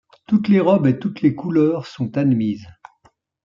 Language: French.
Toutes les robes et toutes les couleurs sont admises.